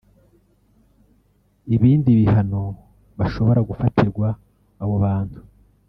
Ibindi bihano bashobora gufatirwa abo bantu